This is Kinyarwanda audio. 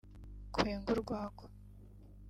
kwenga urwagwa